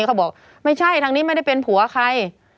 เขาบอกไม่ใช่ทางนี้ไม่ได้เป็นผัวใคร